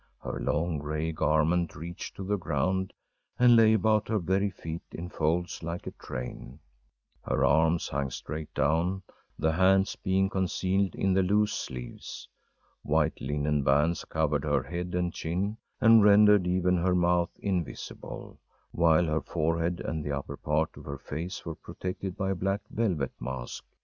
Her long gray garment reached to the ground, and lay about her very feet in folds like a train. Her arms hung straight down, the hands being concealed in the loose sleeves. White linen bands covered her head and chin, and rendered even her mouth invisible, while her forehead and the upper part of her face were protected by a black velvet mask.